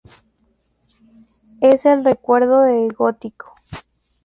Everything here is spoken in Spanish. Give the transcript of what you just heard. Es el recuerdo del Gótico.